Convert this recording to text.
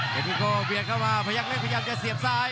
เผ็ดวิโกเบียดเข้ามาพยายามเล็กพยายามจะเสียบซ้าย